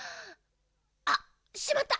あしまった！